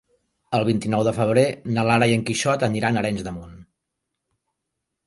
El vint-i-nou de febrer na Lara i en Quixot aniran a Arenys de Munt.